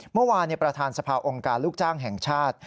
เมื่อวานประธานสภาองค์การลูกจ้างแห่งชาติ